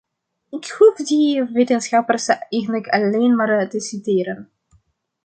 Ik hoef die wetenschappers eigenlijk alleen maar te citeren.